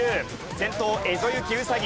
先頭エゾユキウサギ。